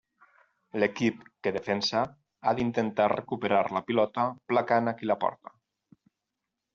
L'equip que defensa ha d'intentar recuperar la pilota placant a qui la porta.